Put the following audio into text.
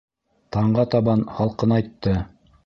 Таңға табан һалҡынайтты.